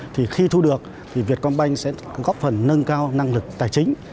thì khi thu được thì vietcombank sẽ góp phần nâng cao năng lực tài chính